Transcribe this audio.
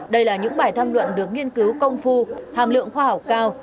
đây là những bài thăm luận được nghiên cứu công phu hàm lượng khoa học cao